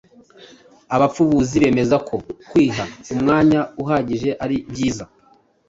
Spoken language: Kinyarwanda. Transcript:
Abapfubuzi bemeza ko kwiha umwanya uhagije ari byiza